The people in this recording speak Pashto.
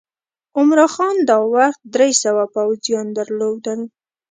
عمرا خان دا وخت درې سوه پوځیان درلودل.